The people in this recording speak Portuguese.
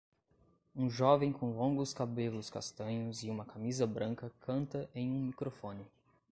Um jovem com longos cabelos castanhos e uma camisa branca canta em um microfone